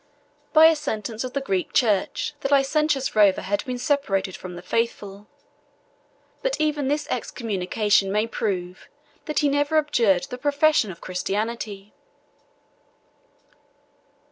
By a sentence of the Greek church, the licentious rover had been separated from the faithful; but even this excommunication may prove, that he never abjured the profession of Chistianity.